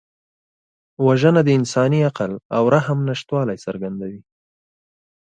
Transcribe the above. وژنه د انساني عقل او رحم نشتوالی څرګندوي